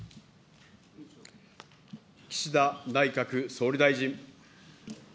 岸田内閣総理大臣。